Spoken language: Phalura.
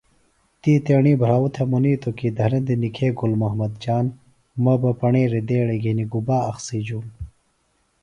تی تیݨی بھراؤ تھےۡ منِیتوۡ کیۡ دھرندیۡ نِکھَنے گُل محمد جان، مہ بہ پݨیریۡ دیڑیۡ تھےۡ گُبا اخسیۡ جُوم